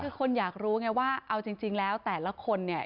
คือคนอยากรู้ไงว่าเอาจริงแล้วแต่ละคนเนี่ย